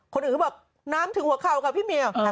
คนอื่นก็บอกน้ำถึงหัวเข่าค่ะพี่เมีย